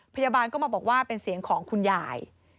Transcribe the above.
พยาบาลก็มาบอกว่าเป็นเสียงของคุณยาย